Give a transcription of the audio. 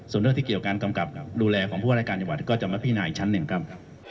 ส่วนเรื่องที่เกี่ยวการกำกับดูแลของผู้ว่ารายการจังหวัดก็จะมาพินาอีกชั้นหนึ่งครับ